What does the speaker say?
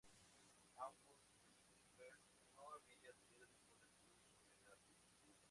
August Strindberg no había tenido ningún estudio sobre el arte.